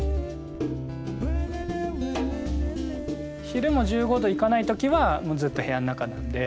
昼も１５℃いかない時はもうずっと部屋の中なんで。